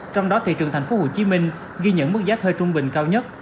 trong đó thị trường tp hcm ghi nhận mức giá thuê trung bình cao nhất